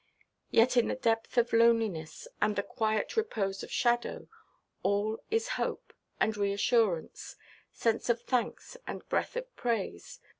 Yet in the depth of loneliness, and the quiet repose of shadow, all is hope, and reassurance, sense of thanks, and breath of praise.